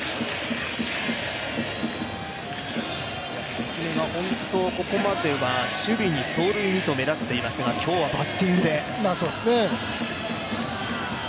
関根が本当にここまでは、守備に走塁にと目立っていましたが、今日はバッティングで。